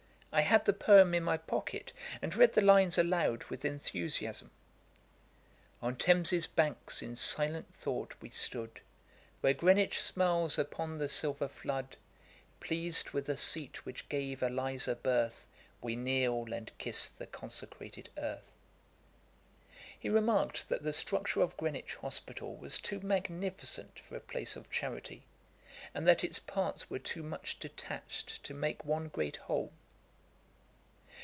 I had the poem in my pocket, and read the lines aloud with enthusiasm: 'On Thames's banks in silent thought we stood: Where Greenwich smiles upon the silver flood: Pleas'd with the seat which gave ELIZA birth, We kneel, and kiss the consecrated earth.' He remarked that the structure of Greenwich hospital was too magnificent for a place of charity, and that its parts were too much detached to make one great whole.